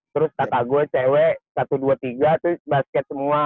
terus kakak gue cewek satu dua tiga basket semua